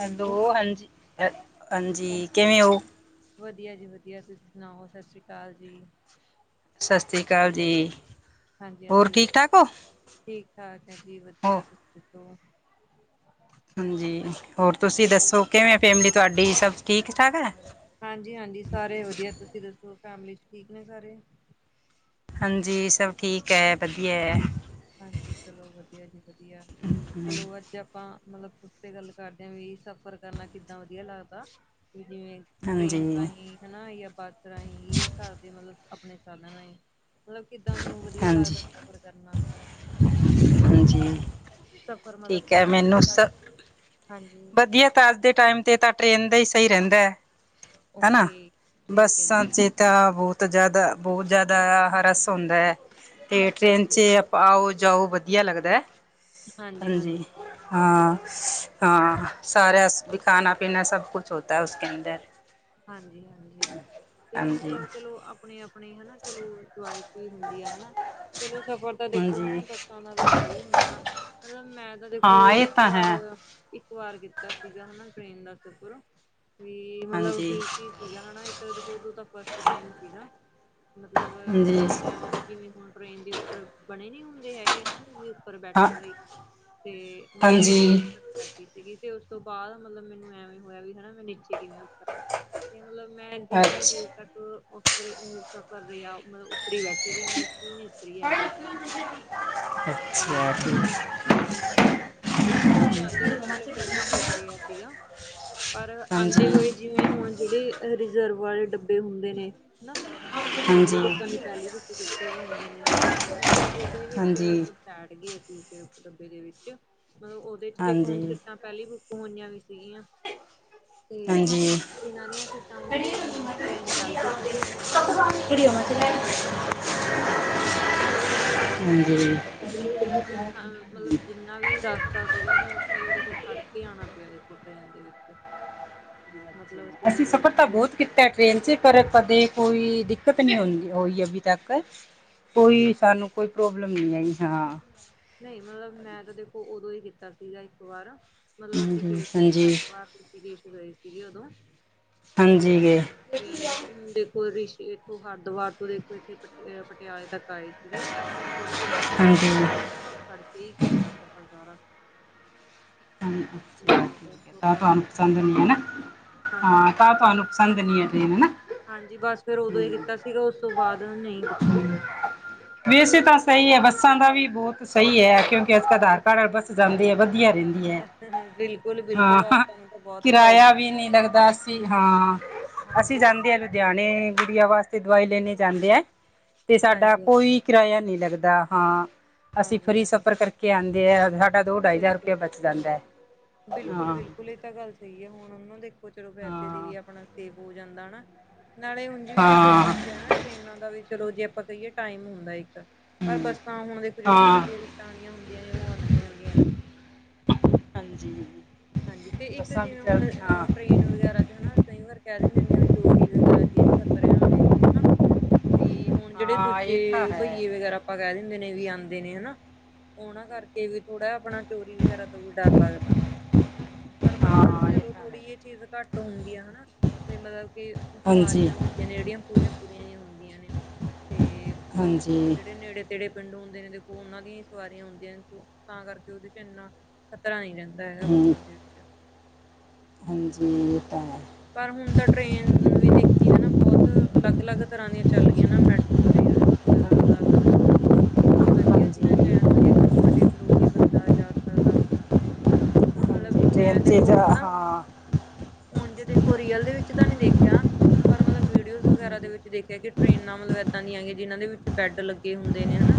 Hello ਹਾਂਜੀ ਹਾਂਜੀ ਕਿਵੇਂ ਹੋ ਵਧੀਆ ਜੀ ਵਧੀਆ ਤੁਸੀਂ ਸੁਣਾਓ ਸਤਿ ਸ਼੍ਰੀ ਅਕਾਲ ਜੀ ਸਤਿ ਸ਼੍ਰੀ ਅਕਾਲ ਜੀ ਹਾਂਜੀ ਹੋਰ ਹਾਂਜੀ ਠੀਕ ਠਾਕ ਹੋ ਠੀਕ ਠਾਕ ਹੈ ਜੀ ਹੋ ਵਧੀਆ ਤੁਸੀਂ ਦੱਸੋ ਹਾਂਜੀ ਹੋਰ ਤੁਸੀਂ ਦੱਸੋ ਕਿਵੇਂ ਫੈਮਿਲੀ ਤੁਹਾਡੀ ਸਭ ਠੀਕ ਠਾਕ ਹੈ ਹਾਂਜੀ ਹਾਂਜੀ ਸਾਰੇ ਵਧੀਆ ਤੁਸੀਂ ਦੱਸੋ ਫੈਮਿਲੀ ਚ ਠੀਕ ਨੇ ਸਾਰੇ ਹਾਂਜੀ ਸਭ ਠੀਕ ਹੈ ਵਧੀਆ ਹੈ ਹਾਂਜੀ ਚਲੋ ਵਧੀਆ ਜੀ ਵਧੀਆ ਚਲੋ ਅੱਜ ਆਪਾਂ ਮਤਲਬ ਉਸ ਤੇ ਗੱਲ ਕਰਦੇ ਹਾਂ ਵੀ ਸਫ਼ਰ ਕਰਨਾ ਕਿੱਦਾਂ ਵਧੀਆ ਲੱਗਦਾ ਵੀ ਜਿਵੇਂ ਹਾਂਜੀ ਟ੍ਰੇਨ ਰਾਹੀਂ ਹਨਾ ਜਾਂ ਬੱਸ ਰਾਹੀਂ ਜਾਂ ਘਰ ਦੇ ਮਤਲਬ ਆਪਣੇ ਸਧਨ ਰਾਹੀਂ ਮਤਲਬ ਕਿੱਦਾਂ ਤੁਹਾਨੂੰ ਵਧੀਆ ਹਾਂਜੀ ਲੱਗਦਾ ਸਫ਼ਰ ਕਰਨਾ ਹਾਂਜੀ ਸਫ਼ਰ ਮਤਲਬ ਠੀਕ ਹੈ ਕਿੱਦਾਂ ਮੈਨੂੰ ਵਧੀਆ ਸ ਲੱਗਦਾ ਹਾਂਜੀ ਵਧੀਆ ਤਾਂ ਅੱਜ ਦੇ ਟਾਈਮ 'ਤੇ ਤਾਂ ਟ੍ਰੇਨ ਦਾ ਹੀ ਸਹੀ ਰਹਿੰਦਾ ਹਨਾ ਓਕੇ ਠੀਕ ਹੈ ਜੀ ਬੱਸਾਂ ਠੀਕ ਹੈ ਚੀ ਤਾਂ ਬਹੁਤ ਜ਼ਿਆਦਾ ਬਹੁਤ ਜ਼ਿਆਦਾ ਆ ਹਰਾ ੋਂਦਾ ਹੈ ਤੇ ਟ੍ਰੇਨ ਹਾਂਜੀ ਚ ਆਓ ਜਾਓ ਵਧੀਆ ਲੱਗਦਾ ਹੈ ਹਾਂਜੀ ਹਾਂ ਹਾਂ ਸਾਰਾ ਖਾਨਾ ਪੀਨਾ ਸਭ ਕੁਛ ਹੋਤਾ ਹੈ ਉਸਕੇ ਅੰਦਰ ਹਾਂਜੀ ਹਾਂਜੀ ਤੇ ਮਤਲਬ ਚਲੋ ਆਪਣੀ ਆਪਣੀ ਹਨਾ ਚਲੋ ਚੁਇਸ ਵੀ ਹੁੰਦੀ ਆ ਹਨਾ ਚਲੋ ਸਫ਼ਰ ਤਾਂ ਦੇਖੋ ਹਨਾ ਬੱਸਾਂ ਦਾ ਵੀ। ਸਹੀ ਹੁੰਦਾ ਮਤਲਬ ਮੈਂ ਤਾਂ ਦੇਖੋ ਇੱਕ ਵਾਰ ਇੱਕ ਵਾਰ ਕੀਤਾ ਸੀਗਾ ਹਨਾ ਟ੍ਰੇਨ ਦਾ ਸਫ਼ਰ ਵੀ ਮਤਲਬ ਠੀਕ ਸੀਗਾ ਹਾ ਇੱਕ ਦੇਖੋ ਤ ਤਾਂ ਫਸਟ ਟਾਈਮ ਸੀਗਾ ਮਤਲਬ ਜਿਵੇਂ ਹੁਣ ਟ੍ਰਰੇਨ ਦੇ ਉੱਪਰ ਬਣੇ ਨੀ ਹੁੰਦੇ ਹੈਗੇ ਹਨਾ ਉੱਪਰ ਬੈਠਣ ਲਈ ਤੇ ਮਤਲਬ ਉਹਦੇ ਬੈਠੀ ਸੀਗੀ ਤੇ ਉਸ ਤੋਂ ਬਾਅਦ ਮਤਲਬ ਮੈਨੂੰ ਐਵੇਂ ਹੋਇਆ ਵੀ ਹਨਾ ਮੈਂ ਨੀਚੇ ਕਿਵੇਂ ਉਸ ਤਰ੍ਹਾਂ ਮਤਲਬ ਮੈਂ ਜਿੰਨੀ ਦੇਰ ਤੱਕ ਉਪ ਸਫ਼ਰ ਰਿਹਾ ਮਤ ਉੱਪਰ ਬੈਠੀ ਰਹੀ ਮੈੂੰ ਕੀ ਨ ਫਰੀ ਆਗੀ ਹਮ ਤੇ ਹਾਂਜੀ ਹਾਂਜੀ ਮਤਲਬ ਚਲੋ ਜਾਂਦੇ ਹੋਏ ਤਾਂ ਚਲੋ ਫਿਰ ਵੀ ਠੀਕ ਰਿਹਾ ਸੀਗਾ ਪਰ ਆਉਂਦੇ ਹੋਏ ਜਿਵੇਂ ਹੁਣ ਜਿਹੜੇ ਰਿਜ਼ਰਵ ਵਾਲੇ ਡੱਬੇ ਹੁੰਦੇ ਨੇ ਹਨਾ ਵੀ ਹਾਂਜੀ ਜਿਹੜੇ ਹਾਂਜੀ ਲੋਕਾਂ ਦੀ ਪਹਿਲੀ ਬੁੱਕ ਕਿਤੇ ਵੀ ਹੁੰਦੇ ਨੇ ਮਤਲਬ ਉਹਦੇ ਵਿੱਚ ਹਾਂਜੀ ਸੈਡ ਗਏ ਅਸੀਂ ਉਸ ਡੱਬੇ ਦੇ ਵਿੱਚ ਮਤਲਬ ਉਹਦੇ ਚ ਦੇਖੋ ਹੁਣ ਹਾਂਜੀ ਸਟਾਂ ਪਹਿਲੀ ਬੁੱਕ ਹੋਈਆਂ ਵੀ ਸੀਗੀਆਂ ਤੇ ਹਾਂਜੀ ਜਿਨਾਂ ਦੀਆਂ ਸੀਟਾਂ ਬੁੱਕ ਹੋਈਆਂ ਟ੍ਰੇਨ ਚੱਲ ਪਹੀ ਸੀਗੀ ਜਿਨਾਂ ਦੀਆਂ ਸੀਟਾਂ ਬੁੱਕ ਹੋਈਆਂ ਹੋਈਆਂ ਸੀੀਆਂ ਉਹਨਾਂਆਂ ਸਾਨੂੰ ਕਹਿੰਦੇ ਵੀ ਸਾਡੇ ਫਿਰ ਮਤਲਬ ਮਤਲਬ ਜਿੰਨਾ ਵੀ ਰਸਤਾ ਸੀਗਾ ਤਾਂ ਮਤਲਬ ਦੇਖੋ ਹਾਂਜੀ ਫੜ ਕੇ ਆਉਣਾ ਪਿਆ ਦੇਖੋ ਟ੍ਰੇਨ ਦੇ ਵਿੱਚ ਮਤਲਬ ਅਸੀਂ ਗਏ ਸਫ਼ਰ ਤਾਂ ਸੀਗੇ ਬਹੁਤ ਕੀਤਾ ਟ੍ਰੇਨ 'ਚ ਪਰ ਕਦੇ ਕੋਈ ਦਿੱਕਤ ਨਹੀਂ ਹੁੰਦੀ ਹੋਈ ਅਭੀ ਤੱਕ ਓਕੇ ਕੋਈ ਓਕੇ ਸਾਨੂੰ ਕੋਈ ਪ੍ਰੋਬਲਮ ਨਹੀਂ ਆਈ ਹਾਂ ਨਹੀਂ ਮਤਲਬ ਮੈਂ ਤਾਂ ਦੇਖੋ ਉਦੋਂ ਹੀ ਕੀਤਾ ਸੀਗਾ ਇੱਕ ਵਾਰ ਮਤਲਬ ਅਸੀਂ ਹਾਂਜੀ ਗਏ ਸੀਗੇ ਹਾਂਜੀ ਹਰਦਵਾਰ ਤੁਸੀਂ ਦੇਸ਼ ਗਏ ਸੀਗੇ ਉਦੋਂ ਤੇ ਹਾਂਜੀ ਗਏ ੇਨ ਦੇਖੋ ਰਿਸ਼ ਇਥੋ ਹਰਿਦੁਵਰ ਤੋਂ ਦੇਖੋ ਇਥੇ ਪ ਪਟਿਆਲੇ ਤੱਕ ਆਏ ਸੀ ਸੀਗੇ ਤੇ ਕਿੰਨਾ ਹੁੰਦਾ, ਹਾਂਜੀ ਹਾਂ ਫੜਕੇ ਹੀ ਕੀਤਾ, ਸਫ਼ਰ ਸਾਰਾ। ਅੱਛਾ ਤੇ ਠੀਕ ਹੈ, ਬਹੁਤ ਤਾਂ ਔਖਾ ਤੁਹਾਨੂੰ ਸੀਗਾ ਪਸੰਦ ਨੇ ਨਾ, ਹਾਂਜੀ ਹਾਂ ਹਾਂਜੀ ਤਾਂ ਤੁਹਾਨੂੰ ਸਦਨੀੀਆਂ ਟ ਹਨ [unintelligible] ਹਾਂਜੀ ਬਸ ਫਿਰ ਉਦੋਂ ਇਹ ਕੀਤਾ ਸੀਗਾ ਉਸ ਤੋਂ ਬਾਅਦ ਨਹੀਂ ਕੀਤਾ ਹੈਗਾ ਵੈਸੇ ਤਾਂ ਸਹੀ ਹੈ ਬੱਸਾਂ ਦਾ ਵੀ ਬਹੁਤ ਸਹੀ ਹੈ ਕਿਉਂਕਿ ਅੱਜ ਕ ਆਧਾਰ ਕਾਰਡ ਬੱਸ ਜਾਂਦੀ ਹੈ ਵ ਬਿਲਕੁਲ ਬਿਲਕੁਲ ਹਾਂ ਆਪਾਂ ਨੂੰ ਤਾਂ ਬਹੁਤ ਕਿਰਾਇਆ ਵੀ ਫਾਇਦਾਗ ਨਹੀਂ ਲੱਗਦਾ ਦਾ ਅਸੀਂ ਹਾਂ ਅਸੀਂ ਹਾਂਜੀ ਜਾਂਦੇ ਆ ਹਾਂਜੀ ਲੁਧਿਆਣੇ ਗੁੜੀਆਂ ਵਾਸਤੇ ਦਵਾਈ ਲੈਣੇ ਜਾਂਦੇ ਆ ਤੇ ਸਾਡਾ ਹਾਂਜੀ ਕੋਈ ਕਿਰਾਇਆ ਨਹੀਂ ਲੱਗਦਾ ਹਾਂ ਅਸੀਂ ਹਾਂਜੀ ਫਰੀ ਹਾਂਜੀ ਸਫ਼ਰ ਕਰਕੇ ਆਉਂਦੇ ਆ ਾ ਦੋਢਾਈ ਹਜ਼ਾਰ ਰੁਪਇਆ ਬਚ ਜਾਂਦਾ ਹੈ ਬਿਲਕੁਲ ਹਾਂ ਬਿਲਕੁਲ ਇਹ ਤਾਂ ਗੱਲ ਸਹੀ ਹੈ ਹੁਣ ਉਹਨੂੰ ਦੇਖੋ ਚਲੋ ਪੈਸੇ ਦੀ ਵੀ ਹਾਂ ਆਪਣਾ ਸ ਹੋ ਜਾਂਦਾ ਹਨਾ ਨਾਲੇ ਉਝ ਵੀ ਦੇਖੋ ਹਾਂ ਠੀਕ ਹੈ ਨਾ ਟ੍ਰੇਨਾਂ ਦਾ ਵੀ ਚਲੋ ਜੀ ਆਪਾਂ ਕਹੀਏ, ਟਾਈਮ ਹੁੰਦਾ ਇੱਕ ਪਰ ਹਮ ਬੱਸਾਂ ਤਾਂ, ਹੁਣ ਦੇਖੋ ਜਿਹੜੀਆਂ ਹਾਂ ਨੰਬੀਆਂ ਰੂਟਾਂ ਆਲਿਆਂ ਹੁੰਦੀਆਂ ਨੇ, ਉਹ ਆਉਂਦੀਆਂ ਜਾਂਦੀਆਂ। ਰਹਿੰਦੀਆਂ। ਹਾਂਜੀ ਹਾਂਜੀ, ਤੇ ਇੱਕ ਬੱਸਾਂ ਵੀ ਜਿਵੇਂ ਹੁਣ ਚੱਲ ਹਾਂ ਅ ਟ੍ਰੇਨ ਵਗੈਰਾ ਚ ਹੈਨਾ, ਕਈ ਵਾਰ ਕਹਿ ਦਿੰਨੇ ਹੁਣੇ ਆ, ਜਿਵੇਂ ਚੋਰੀ ਵਗੈਰਾ ਜੇਬ ਕਤਰਿਆਂ ਆਲੇ ਵੀ ਹੁਣ ਜਿਹੜੇ ਹਾਂ ਇਹ ਤਾਂ ਦੂਜੇ, ਹੈ ਬਈਏ ਵਗੈਰਾ ਆਪਾਂ ਕਹਿ ਦਿੰਦੇ ਨੇ ਵੀ ਆਉਂਦੇ ਨੇ ਹੈਨਾ, ਉਹਨਾਂ ਕਰਕੇ ਵੀ ਥੋੜ੍ਹਾ ਜੇਹਾ ਆਪਣਾ ਚੋਰੀ ਵਗੈਰਾ ਤੋਂ ਵੀ ਡਰ ਲੱਗਦਾ। ਪਰ ਬੱਸਾਂ ਚ ਹਾਂ ਇਹ ਚਲੋ ਤਾਂ ਥੋੜੀ ਇਹ ਹੈ ਚੀਜ਼ ਘੱਟ ਹੁੰਦੀ ਆ ਹੈਨਾ, ਤੇ ਮਤਲਬ ਕਿ ਹਾਂਜੀ ਸਵਾਰੀਆਂ ਹੁੰਦੀ ਤੇ ਨੇੜੀਆਂ ਪੂਰੀਆਂ ਪੂਰੀਆਂ ਹੀ ਹੁੰਦੀਆਂ ਨੇ, ਤੇ ਮਤਲਬ ਹਾਂਜੀ ਜਿਹੜੇ ਨੇੜੇ ਤੇਹੜੇ ਪਿੰਡੋ ਹੁੰਦੇ ਨੇ, ਦੇਖੋ ਉਹਨਾਂ ਦੀਆਂ ਹੀ ਸਵਾਰੀਆਂ ਹੁੰਦੀਆਂ ਨੇ, ਤਾਂ ਕਰਕੇ ਉਹਦੇ ਚ ਇੰਨਾ ਖ਼ਤਰਾ ਨਹੀਂ ਰਹਿੰਦਾ। ਐ ਤੇ ਹੈ, ਹਮ ਬੱਸਾਂ ਦੇ ਵਿੱਚ। ਹਾਂਜੀ, ਇਹ ਤਾਂ ਹੈ। ਪਰ ਹੁਣ ਤਾਂ ਟ੍ਰੇਨ ਵੀ ਦੇਖੀ ਹੈ ਨਾ, ਬਹੁਤ ਅਲੱਗ ਅਲੱਗ ਤਰ੍ਹਾਂ ਦੀਆਂ ਚੱਲ ਗਈਆਂ ਨਾ, ਮੈਟਰੋ ਟ੍ਰੇਨ ਵਗੈਰਾ ਲਗਾ ਲੋ ਹੈਨਾ ਵਧੀਆ ਜਿਨਾਂ ਚ ਹਾਂਜੀ ਐਨ, ਵਧੀਆ ਕੰਫਰਟੇਬਲ ਹੋ ਕੇ ਬੰਦਾ ਜਾ ਸਕਦਾ। ਔਨਾ ਦਾ, ਹਾਂਜੀ ਟ੍ਰੇਨ ਮੈਂ 'ਚ ਦੇਖੋ ਜਾ ਹੁਣ, ਹਾਂ ਉੰਝ ਦੇ ਔ ਰੀਅਲ ਦੇ ਵਿੱਚ, ਤਾਂ ਨੀ ਦੇਖਿਆ। ਪਰ ਮਤਲਬ ਵੀਡੀਓਜ਼ ਵਗੈਰਾ ਦੇ ਵਿੱਚ ਦੇਖਿਆ, ਕਿ ਟ੍ਰੇਨਾਂ ਮਤਲਬ ਇੱਦਾਂ ਦੀਆਂ ਆਇਆਂ, ਜਿਨਾਂ ਦੇ ਵਿੱਚ ਬੈੱਡ ਲੱਗੇ ਹੁੰਦੇ ਨੇ ਹੈਨਾ।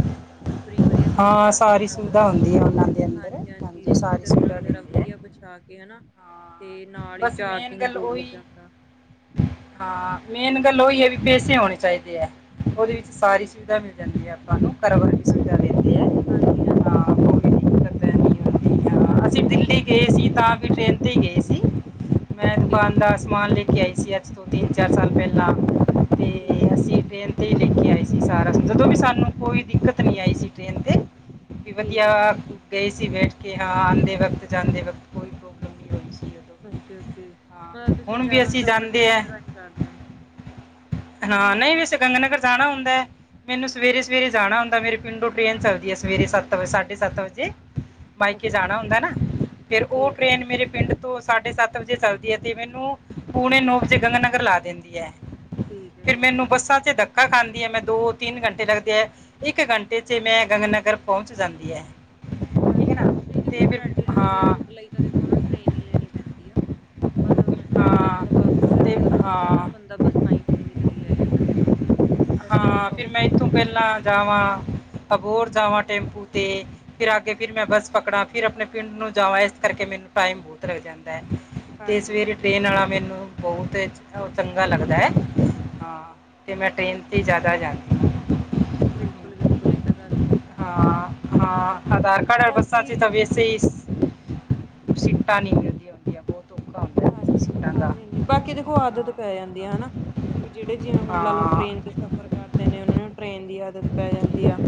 ਫਰੀ ਵਧੀਆ ਹਾਂ ਸਾਰੀ ਸੁਵਿਧਾ ਵਗੈਰਾ ਹੁੰਦੀ ਹੈ ਉਹਨਾਂ ਦੇ ਅੰਦਰ, ਹਾਂਜੀ ਹਾਂਜੀ-ਹਾਂਜੀ ਸਾਰੀ ਚਾਦਰਾਂ ਵਗੈਰਾ ਸੁਵਿਧਾ। ਹੈ ਵਧੀਆ ਬਛਾ ਕੇ ਹੈਨਾ, ਹਾਂ ਤੇ ਨਾਲ ਹੀ ਬਸ ਮੇਨ ਚਾਰਜਿੰਗ ਗੱਲ ਬੋਰਡ ਉਹੀ ਲੱਗਿਆ ਹੁੰਦਾ ਹਾਂ ਮੇਨ ਗੱਲ ਉਹੀ ਹੈ, ਵੀ ਪੈਸੇ ਹੋਣੇ ਚਾਹੀਦੇ ਹੈ। ਔਦੇ ਵਿੱਚ ਸਾਰੀ ਬਿਲਕੁਲ-ਬਿਲਕੁਲ ਸੁਵਿਧਾ ਮਿਲ ਜਾਂਦੀ ਹੈ, ਆਪਾਂ ਨੂੰ ਘਰ ਵਰਗੀ ਸੁਵਿਧਾ ਦਿੰਦੀ ਹੈ। ਹਾਂਜੀ ਹਾਂਜੀ ਨਹੀਂ ਹੁੰਦੀ ਹਾਂਜੀ ਅਸੀਂ ਦਿੱਲੀ ਗਏ ਸੀ, ਤਾਂ ਵੀ ਟ੍ਰੇਨ ਤੇ ਗਏ ਸੀ, ਮੈਂ ਓਕੇ ਦੁਕਾਨ ਦਾ ਸਮਾਨ ਲੈ ਕੇ ਆਈ ਸੀ, ਆਜ ਦੋ ਤਿੰਨ ਚਾਰ ਸਾਲ ਪਹਿਲਾਂ ਠੀਕ ਹੈ ਜੀ ਏ ਲੈ ਕੇ ਆਏ ਸੀ ਸਾਰਾ, ਜਦੋਂ ਵੀ ਸਾਨੂੰ ਕੋਈ ਦਿੱਕਤ ਨੀ ਆਈ ਸੀ ਟ੍ਰੇਨ ਤੇ। ਸੀ ਠੀਕ ਹੈ ਵਧੀਆ, ਗਏ ਸੀ ਬੈਠ ਕੇ, ਹਾਂ ਆਉਂਦੇ ਵਕਤ ਜਾਂਦੇ ਵਕਤ ਕੋਈ ਪ੍ਰੋਬਲਮ ਨਹੀਂ ਹੋਈ ਸੀ। ਵੀ ਔਕੇ ਔਕੇ, ਹਾਂ ਮਤਲਬ ਤੁਸੀਂ ਹੁਣ ਵੀ ਜ਼ਿਆਦਾ ਅਸੀਂ ਸਫ਼ਰ ਜਾਂਦੇ ਆ ਟ੍ਰੇਨ ਰਾਹੀਂ ਕਰਦੇ ਹੋ ਹਾਂ, ਨਹੀਂ ਵੈਸੇ ਗੰਗਾ ਨਗਰ ਜਾਣਾ ਹੁੰਦਾ ਮੈਨੂੰ ਸਵੇਰੇ ਸਵੇਰੇ ਜਾਣਾ ਹੁੰਦਾ ਮੇਰੇ ਪਿੰਡ ਤੋ ਟ੍ਰੇਨ ਚੱਲਦੀ ਹੈ, ਸਵੇਰੇ ਸੱਤ ਵ ਸਾਢੇ ਸੱਤ ਵਜੇ। ਮਾਇਕੇ ਓਕੇ ਜਾਣਾ ਹੁੰਦਾ ਨਾ, ਫਿਰ ਉਹ ਠੀਕ ਹੈ ਜੀ ਟ੍ਰੇਨ ਮੇਰੇ ਪਿੰਡ ਤੋਂ ਸਾਢੇ ਸੱਤ ਵਜੇ ਚੱਲਦੀ ਹੈ, ਤੇ ਮੈਨੂੰ ਪੋਣੇ ਨੋ ਵਜੇ ਗੰਗਾ ਨਗਰ ਲਾ ਦਿੰਦੀ ਹੈ। ਠੀਕ ਹੈ ਫਿਰ ਠੀਕ ਮੈਨੂੰ ਹੈ। ਬੱਸਾਂ ਤੇ ਧੱਕਾ ਖਾਂਦੀ ਐ, ਮੈਂ ਦੋ ਤਿੰਨ ਘੰਟੇ ਲੱਗਦੇ ਆ। ਇੱਕ ਘੰਟੇ ਚ ਮੈਂ ਗੰਗ ਨਗਰ ਪਹੁੰਚ ਜਾਂਦੀ ਹੈ ਠੀਕ ਹੈ ਹਾਂਜੀ ਨਾ ਹਾਂਜੀ ਨਹੀਂ ਦੇਖੋ ਤੇ ਫਿਰ ਐਡੇ ਲੰਬੇ ਹਾਂ ਰੂਟ ਲਈ ਤਾਂ ਦੇਖੋ ਨਾ ਟ੍ਰਰੇਨ ਹੀ ਲੈਣੀ ਪੈਂਦੀ ਆ ਮਤਲਬ ਫਿਰ ਤਾਂ ਮਤਲਬ ਬੱਸ ਹਾਂ ਤੇ ਵਗੈਰਾ ਤਾਂ ਬਹੁਤ ਨਾ ਹਾਂ ਬੰਦਾ ਬੱਸਾਂ ਹੀ ਚੇਂਜ ਕਰੀ ਆਇਆ ਕਰੇਗਾ ਬੱਸਾਂ ਤੇ ਹਾਂ ਤਾਂ ਫਿਰ ਮੈਂ ਔਖਾ ਹੋ ਇੱਥੋਂ ਜਾਂਦਾ ਪਹਿਲਾਂ ਜਾਵਾਂ ਹਾਂ- ਅਬੋਰ ਜਾਵਾਂ ਟੈਂਪੂ ਤੇ ਫਿਰ ਆਗੇ ਫਿਰ ਮੈਂ ਬੱਸ ਪਕੜਾਂ ਫਿਰ ਆਪਣੇ ਪਿੰਡ ਨੂੰ ਜਾਵਾਂ ਇਸ ਕਰਕੇ ਮੈਨੂੰ ਟਾਈਮ ਬਹੁਤ ਲੱਗ ਜਾਂਦਾ ਬਹ ਕੇ, ਤੇ ਹਾਂਜੀ ਸਵੇਰੇ ਹਾਂਜੀ ਟ੍ਰੇਨ ਵਾਲਾ ਮੈਨੂੰ ਬਹੁਤ ਏ, ਔ ਚੰਗਾ ਲੱਗਦਾ ਐ, ਤੇ ਮੈਂ ਟ੍ਰੇਨ ਤੇ ਜ਼ਿਆਦਾ ਜਾਂਦੀ ਹੈ ਬਿਲਕੁਲ ਬਿਲਕੁਲ ਇਹ ਤਾਂ ਗੱਲ ਸਹੀ ਹਾਂ -ਹਾਂ ਹਾਂਜੀ ਹਾਂ, ਆਧਾਰ ਕਾਰਡ ਬੱਸਾਂ ਚ ਬਾਕੀ ਤਾਂ ਸਪੇਸ, ਸੀਟਾਂ ਨਹੀਂ ਮਿਲਦੀਆਂ ਹੁੰਦੀਆਂ ਬਹੁਤ। ਔਖਾ ਹਾਂ, ਹੁੰਦਾ ਸੀਟਾਂ ਦਾ ਹਾਂਜੀ- ਹਾਂਜੀ ਬਾਕੀ ਦੇਖੋ ਆਦਤ ਹਾਂ ਪੈ ਜਾਂਦੀ ਹੈ ਹਾਂ ਹੈਨਾ। ਜਿਹੜੇ ਜਿਵੇਂ ਹੁਣ ਲਾ ਲੋ, ਹਾਂ, ਟ੍ਰੇਨ ਚ ਸਫ਼ਰ ਕਰਦੇ ਨੇ, ਉਹਨਾਂ ਨੂੰ ਟ੍ਰੇਨ ਦੀ ਆਦਤ ਪੈ ਜਾਂਦੀ ਆ।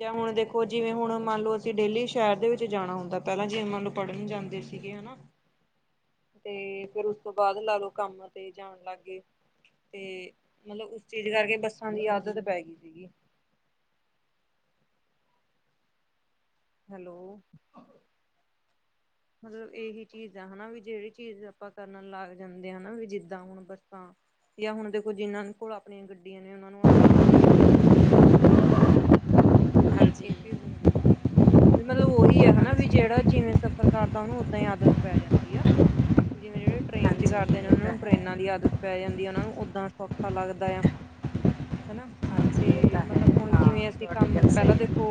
ਜਾਂ ਹੁਣ ਦੇਖੋ, ਜਿਵੇਂ ਹੁਣ ਮੰਨ ਲੋ, ਅਸੀਂ ਡੇਲੀ ਸ਼ਹਿਰ ਦੇ ਵਿੱਚ ਜਾਣਾ ਹੁੰਦਾ, ਪਹਿਲਾਂ ਜਿਵੇਂ ਮੰਨ ਲੋ ਪੜ੍ਹਨ ਜਾਂਦੇ ਸੀ। ਠੀਕ ਹੈ ਨਾ। ਤੇ ਫਿਰ ਉਸ ਤੋਂ ਬਾਅਦ, ਲਾ ਲੋ ਕੰਮ ਤੇ ਜਾਣ ਲੱਗ ਗਏ। ਤੇ ਮਤਲਬ, ਉਸ ਚੀਜ਼ ਕਰਕੇ, ਬੱਸਾਂ ਦੀ ਆਦਤ ਪੈ ਗਈ ਸੀਗੀ। ਹੈਲੋ, ਮਤਲਬ, ਇਹੀ ਚੀਜ਼ ਆ ਹਨਾ ਵੀ ਜਿਹੜੀ ਚੀਜ਼ ਆਪਾਂ ਕਰਨ ਲੱਗ ਜਾਂਦੇ ਹਾਂ ਹਨਾ ਵੀ ਜਿੱਦਾਂ ਹੁਣ ਬੱਸਾਂ। ਜਾਂ ਹੁਣ ਦੇਖੋ, ਜਿਨਾਂ ਕੋਲ ਆਪਣੀਆਂ ਗੱਡੀਆਂ ਨੇ ਉਹਨਾਂ ਨੂੰ ਆਪਣੀ ਗੱਡੀਆਂ ਦੀ ਆਦਤ ਪੈ ਜਾਂਦੀ ਹੈ। ਹਾਂਜੀ ਇਹ ਚੀਜ਼ ਹੋ ਜਾਂਦੀ ਹੈ ਵੀ ਮਤਲਬ ਉਹੀ ਹੈ, ਹਨਾ ਵੀ ਹਾਂਜੀ ਜਿਹੜਾ ਜਿਵੇਂ ਸ ਸਰਕਾਰ ਦਾ ਉਹਨੂੰ ਓਦਾਂ ਹੀ ਆਦਤ ਪੈ ਜਾਂਦੀ ਆ। ਜਿਵੇਂ ਜਿਹੜੇ ਟ੍ਰਰੇਨ ਚ ਕਰਦੇ ਹਾਂਜੀ ਨੇ, ਇਹ ਉਹਨਾਂ ਤਾਂ ਨੂੰ ਹੈ ਟ੍ਰਰੇਨਾਂ ਦੀ ਆਦਤ ਪੈ ਜਾਂਦੀ ਹੈ। ਉਹਨਾ ਨੂੰ ਉਦਾਂ ਸੌਖਾ ਲੱਗਦਾ ਆ। [unintelligible] [inaudible] ਹਨਾ ਹਾਂਜੀ ਤੇ ਇਹ ਤਾਂ ਹੈ ਮਤਲਬ ਹੁਣ ਹਾਂ ਜਿਵੇਂ ਅਸੀਂ ਤੁਹਾਡੀ ਕੰਮ ਗੱਲ ਸਹੀ ਪਹਿਲਾਂ ਹੈ ਦੇਖੋ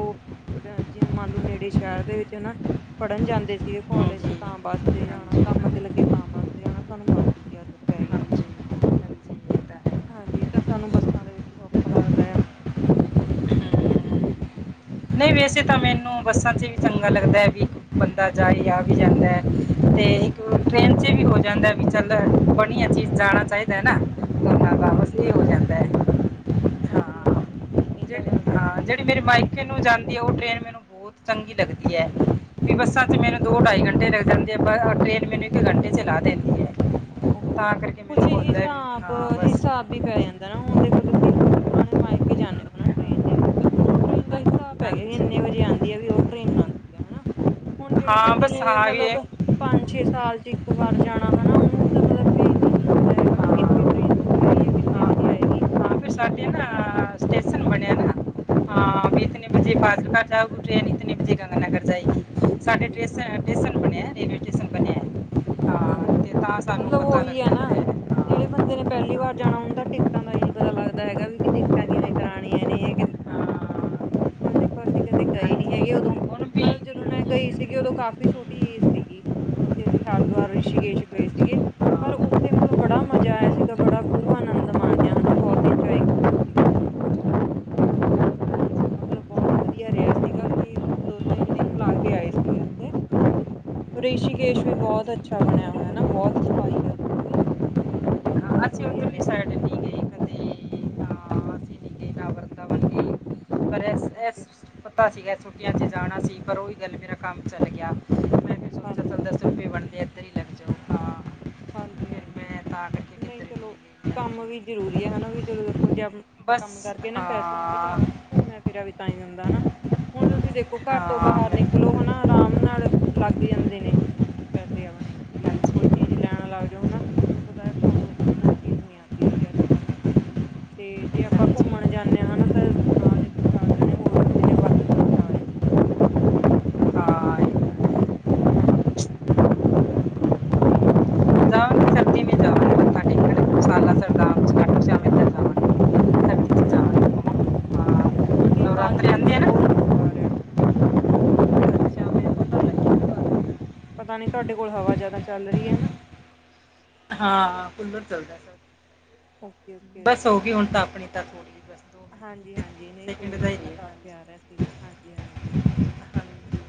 ਜਿਵੇਂ ਮੰਨ ਲੋ ਨੇੜੇ ਸ਼ਹਿਰ ਦੇ ਵਿੱਚ ਹਨਾ ਫੜਨ ਜਾਂਦੇ ਜਿਵੇ ਜੀ ਕੋਾਲਜ ਚ ਹਾਂਜੀ ਤਾਂ ਵਸਤੇ ਜਾਣਾ ਹਾਂਜੀ ਕੰਮ ਤੇ ਲੱਗੇ ਤਾਂ ਵਸਤੇ ਜਾਣਾ ਸਾਨੂੰ ਬੱਸ ਦੀ ਆਦਤ ਪੈ ਗਈ [unintelligible] [inaudible] ਤਾਂ ਹੈ ਹਾਂਜੀ ਤਾਂ ਸਾਨੂੰ ਬੱਸਾਂ ਦੇ ਵਿੱਚ ਸੌਖਾ ਲੱਗਦਾ ਆ ਹਮ, ਨਹੀਂ ਵੈਸੇ ਤਾਂ ਮੈਨੂੰ ਬੱਸਾਂ ਚ ਵੀ ਚੰਗਾ ਲੱਗਦਾ ਹੈ ਵੀ ਬੰਦਾ ਜਾਏ ਆ ਵੀ ਜਾਂਦਾ ਹੈ ਤੇ ਇੱਕ ਟ੍ਰੇਨ ਚ ਵੀ ਹੋ ਜਾਂਦਾ ਹੈ, ਵੀ ਚਾਂਦਾ ਹੈ ਬੜੀਆ ਚੀਜ਼ ਜਾਣਾ ਚਾਹੀਦਾ। ਲਣਾ ਬਿਲਕੁਲ -ਬਿਲਕੁਲ, ਹਾਂ ਹਾਂਜੀ- ਹਾਂਜੀ। ਨਹੀਂ ਇਹ ਤਾਂ ਗੱਲ ਸਹੀ ਹਾਂ, ਜਿਹੜੀ ਮੇਰੇ ਮਾਇਕੇ ਨੂੰ ਜਾਂਦੀ ਹੈ ਉਹ ਟ੍ਰੇਨ, ਮੈਨੂੰ ਬਹੁਤ ਚੰਗੀ ਲੱਗਦੀ ਹੈ। ਵੀ ਬੱਸਾਂ ਚ ਓਕੇ ਮੈਨੂੰ ਦੋ ਢਾਈ ਘੰਟੇ ਲੱਗ ਜਾਂਦੇ ਆ ਟ੍ਰੇਨ ਮੈਨੂੰ ਇੱਕ ਘੰਟੇ ਚ ਲ ਦਿੰਦੀ ਹੈ ਓ ਕੇ ਤਾਂ ਕਰਕੇ ਕੁਛ ਮੈਨੂੰ ਹੁੰਦਾ ਹੈ ਵੀ ਹਿਸਾਬ, ਹਾਂ ਬਸ ਹਿਸਾਬ ਹੀ ਪੈ ਜਾਂਦਾ ਨਾ ਹੁਣ ਦੇਖੋ ਤੁਸੀ। ਆਪਣੇ ਮਾਇਕੇ ਜਾਂਦੇ ਹੋ ਨਾ ਟ੍ਰਰੇਨ ਤੇ। ਤਾਂ ਤੁਹਾਨੂੰ ਉਹ ਟ੍ਰੇਨ ਦਾ ਹਾਂਜੀ ਹਿਸਾਬ ਪੈ ਗਿਆ ਇਨੇ ਵਜੇ ਆਉਂਦੀ ਆ ਉਹ ਟਰੇਨ ਨਾ ਹਨਾ ਹੁਣ, ਜਿਹੜੇ ਹਾਂ ਬੰਦੇ ਬਸ ਨੇ ਇਹ ਹਾਂ ਵੀ ਮਲਬ ਪੰਜ-ਛੇ ਸਾਲ ਚ, ਇੱਕ ਵਾਰ ਜਾਣਾ ਹਨਾ ਉਹਨੂੰ। ਤਾਂ, ਮਤਲਬ ਭੇਦ ਹੀ ਨਹੀਂ ਆਂਦਾ ਹੈਗਾ ਵੀ ਹਾਂ, ਕਿੱਥੇ ਟ੍ਰਰੇਨ ਰੁਕੇਗੀ ਜਾਂ ਕਿੰਨੇ ਵਜੇ ਆਏਗੀ। ਤਾਂ ਫੇਰ ਜਾਂ ਸਾਡੇ ਨਾ ਕਿੱਦਾਂ ਹਨਾ ਸਟੇਸ਼ਨ ਬਣਿਆ ਨਾ, ਹਾਂ ਕਿਨ ਬਜੇ ਬਾਜੂ ਘ ਜਾ ਉੱਠਿਆ ਨੀ ਕਿਤਨ ਬਜੇ ਗੰਗਗਾਗਰ ਜਾਏ ਸਾਡੇ ਤੇ ਹਾਂ ਟੇਸ਼ਨ ਬਣਿਆ ਰੇਲਵੇ ਸਟੇਸ਼ਨ ਬਣਿਆ ਹੈ। ਓਕੇ- ਹਾਂ ਓਕੇ ਤੇ ਤਾਂ ਸਾਨੂੰ ਮਤਲਬ, ਪਤਾ ਉਹੀ ਲੱਗ ਆ ਨਾ। ਜਾਂਦਾ ਹੈ ਜਿਹੜੇ ਬੰਦੇ ਨੇ ਪਹਿਲੀ ਹਾਂ ਵਾਰ ਜਾਣਾ ਹੁੰਦਾ ਹੈ, ਟਿਕਟਾਂ ਦਾ ਹੀ ਨਹੀਂ ਪਤਾ ਲੱਗਦਾ ਹੈਗਾ ਵੀ ਕਿ ਟਿਕਟਾਂ ਕਿਵੇਂ ਕਰਾਉਣੀਆਂ ਨੇ। ਕਿਦਾ ਹਾਂ ਹਾਂ, ਹੁਣ ਦੇਖੋ, ਅਸੀਂ ਕਦੇ ਗਏ ਨੀ ਹਾਂਜੀ ਹੈਗੇ ਉਦੋਂ। ਹੁਣ ਵੀ ਮਤਲਬ ਜਦੋਂ ਮੈਂ ਹਾਂਜੀ ਗਈ ਹਮ, ਸੀਗੀ, ਉਦੋਂ ਕਾਫ਼ੀ ਛੋਟੀ ਏਜ ਸੀਗੀ। ਉੱਥੇ ਦੀ ਹ ਇੱਕ ਵਾਰ, ਰਿਸ਼ੀਕੇਸ਼ ਪਏ ਹਾਂਜੀ ਸੀਗੇ। ਪਰ ਹਾਂ ਉੱਥੇ ਮਤਲਬ ਬੜਾ ਮਜ਼ਾ ਆਇਆ ਸੀਗਾ, ਬੜਾ ਖੁਬ ਆਨੰਦ ਮਾਣਿਆ ਹਨਾ ਬਹੁਤ ਇੰਜੋਏ ਕੀਤਾ। ਬਾੀ ਦੱਸੱਥੇ ਹੋ [inaudible] ਮਤਲਬ ਬਹੁਤ ਵਧੀਆ ਰਿਹਾ ਸੀਗਾ। ਅਸੀਂ ਦੋ ਤਿੰਨ ਦਿਨ ਲਾ ਕੇ ਆਏ ਸੀਗੇ ਉੱਥੇ। ਰਿਸ਼ੀਕੇਸ਼ ਵੀ ਬਹੁਤ ਅਛਾ। ਅੱਛਾ ਬਣਿਆ ਹੋਇਆ ਨਾ? ਬਹੁਤ ਸਫਾਈ ਹੈ, ਉੱਥੇ ਵੀ ਬਹੁਤ ਅਸੀਂ ਵਧੀਆ ਉਧਰਲੀ ਰਿਹਾ ਸੀ। ਸਾਈਡ ਨਹੀਂ ਗਏ ਕਦੇ ਤਾਂ ਅਸੀਂ ਨਹੀਂ ਗਏ ਨਾ ਵਰਤਾਵਨ ਗਏ ਪਰ ਐਸ ਹਾਂਜੀ ਐਸ। ਪੱਤਾ ਸੀਗਾ ਛੁੱਟੀਆਂ ਚ ਜਾਣਾ ਸੀ। ਪਰ, ਉਹੀ ਗੱਲ ਮੇਰਾ ਕੰਮ ਚੱਲ ਗਿਆ। ਮੈਂ ਹਾਂਜੀ -ਹਾਂਜੀ ਥੇ ਬਣਦੇ ਇੱਥੇ ਵੀ ਲੈ ਜਾਓ। ਹਾਂਜੀ ਫਿਰ -ਹਾਂਜੀ ਮੈਂ ਤਾਂ ਕਰਕੇ ਨਹੀਂ ਕਿੱਧਰ ਚਲੋ, ਗਈ ਕੰਮ ਵੀ ਹਾਂਜੀ। ਜ਼ਰੂਰੀ ਹੈ। ਹਨਾ ਵੀ ਚਲੋ ਦੇਖੋ ਜ ਕੰਮ ਬਸ ਕਰਕੇ ਨਾ ਪੈਸੇ ਆਉਣਣਗੇ ਹਾਂ ਚਾਰ। ਘੁੰਮਿਆ ਫਿਰਿਆ ਵੀ ਤਾਂ ਹੀ ਜਾਂਦਾ ਹੈ, ਹੇਨਾ। ਹੁਣ ਤੁਸੀਂ ਦੇਖੋ, ਘਰ ਤੋਂ ਹਾਂ ਬਾਹਰ ਮੈਂ- ਨਿਕਲੋ, ਹਨਾ ਆਰਾਮ ਨਾਲ ਲੱਗ ਜਾਂਦੇ ਨੇ। ਪੈਸੇ ਆਣੇ ਵੀ ਕੋਈ ਹਾਂਜੀ ਚੀਜ਼ ਲੈਣ ਲੱਗ ਜਾਓ ਹਨਾ ਤੁਹਾਨੂੰ ਪਤਾ ਸੋ ਦੋ ਸ ਕੋਈ ਚੀਜ਼ ਨੀ ਆਦੀ ਹੈਗੀ ਅੱਜ ਕੱਲ੍ਹ ਤੇ ਜੇ ਆਪਾਂ ਘੁੰਮਣ ਜਾਂਦੇ ਹਾਂ ਹਨਾ ਤਾਂ ਨਾਲ ਦੇ ਕੋਲ ਚਾਰ ਜਣੇ ਹੋਰ ਹੁੰਦੇ ਨੇ ਵੱਧ ਖਰਚਾ ਆ ਜਾਂਦਾ ਹਾਂਜੀ ਹਾਂ ਹਾਂਜੀ ਹਾਂਜੀ। ਹਾਂਜੀ, ਹਾਂਜੀ ਤੁਹਾਡੀ ਆਵਾਜ਼ ਚ ਸ਼ੋਰ ਬਹੁਤ ਆ ਰਿਹਾ। ਪਤਾ ਨੀ ਤੁਹਾਡੇ ਕੋਲ ਹਵਾ ਜਿਆਦਾ ਚੱਲ ਰਹੀ ਹੈ ਨਾ। ਹਾਂ ਕੂਲਰ ਚੱਲਦਾ ਸਰ। ਓਕੇ ਓਕੇ ਬਸ ਹੋਗੀ ਠੀਕ ਹੈ ਹੁਣ ਤਾਂ ਆਪਣੀ ਤਾਂ ਥੋੜ੍ਹੀ। ਹਾਂਜੀ, ਹਾਂਜੀ ਨਹੀਂ ਸ਼ੋਰ ਜਿਹਾ ਰਹੀ ਪਹਿਲਾਂ ਕਾਫੀ ਆ ਰਿਹਾ ਹਾਂਜੀ ਸੀਗਾ ਹਾਂਜੀ ਹਾਂਜੀ। ਹਾਂਜੀ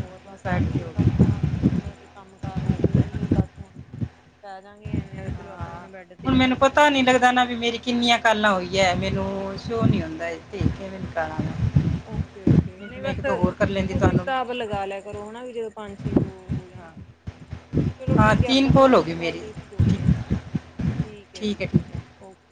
ਹੋਰ ਬਸ ਆਟ ਸਾਡੇ ਵੀ ਹੋ ਬਸ ਗਈ ਹੁਣ, ਮਤਲਬ ਕਿ ਕੰਮ ਕਾਰ ਹੋ ਕੇ ਵਿਹਲੇ ਬਸ ਹੁਣ। ਚਲ ਜਾਂਗੇ। ਐਵੇਂ ਵੀ ਚਲੋ ਆਪਣੇ ਹਾਂ -ਆਪਣੇ ਬੈਡ ਤੇ ਹੁਣ ਜਾ ਮੈਨੂੰ ਕੇ ਜਿੰਮ ਪਤਾ ਨੀ ਲੱਗਦਾ ਨਾ, ਵੀ ਮੇਰੀ ਕਿੰਨੀਆਂ ਕਾਲਾ ਹੋਈਆਂ ਹੈ? ਮੈਨੂੰ ਸ਼ੋਅ ਨੀ ਹੁੰਦਾ ਇਥੇ। ਓਕੇ -ਓਕੇ ਨਹੀਂ, ਬਸ ਇੱਕ ਦੋ ਹੋਰ ਕਰ ਲੈਂਦੀ ਓਹਦੇ ਤੁਹਾਨੂੰ ਹਿਸਾਬ। ਲਗਾ ਲਿਆ ਕਰੋ ਹਨਾ ਵੀ ਜਦੋਂ ਪੰਜ ਛੇ ਕੁ ਹੋ ਜਾਣਾ। ਹਾਂ ਚਲੋ ਠੀਕ ਹੈ ਆਪਾਂ ਫਿਰ ਅਗਲੀ ਕਾਲ ਦੇ ਵਿੱਚ ਜੁੜਦੇ ਹਾਂ ਠੀਕ ਹੈ ਜੀ ਓਕੇ।